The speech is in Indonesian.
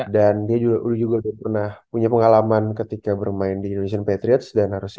dan dia juga udah pernah punya pengalaman ketika bermain di indonesian patriots dan harusnya